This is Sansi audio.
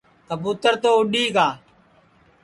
کٻُُوتر تو اُڈؔی گا